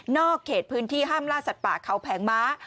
เขตพื้นที่ห้ามล่าสัตว์ป่าเขาแผงม้า